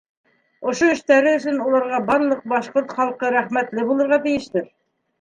Ошо эштәре өсөн уларға барлыҡ башҡорт халҡы рәхмәтле булырға тейештер.